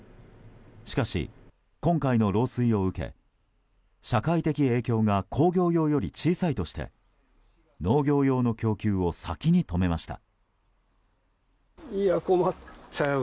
しかし、今回の漏水を受け社会的影響が工業用より小さいとして農業用の供給を先に止めました。